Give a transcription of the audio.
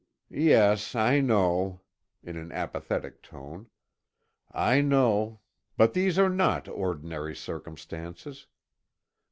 "Yes, I know," in an apathetic tone; "I know but these are not ordinary circumstances.